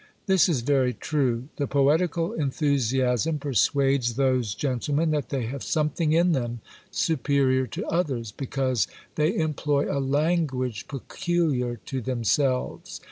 This is very true. The poetical enthusiasm persuades those gentlemen that they have something in them superior to others, because they employ a language peculiar to themselves.